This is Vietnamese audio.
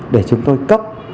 để chúng tôi cấp